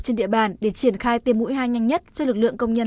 trên địa bàn để triển khai tiêm mũi hai nhanh nhất cho lực lượng công nhân